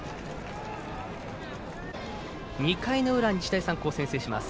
２回の裏、日大三高、先制します。